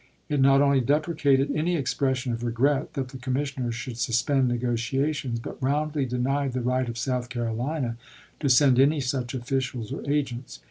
It not only deprecated any expression of regret that the commissioners should suspend negotia tions, but roundly denied the right of South Caro lina to send any such officials or agents.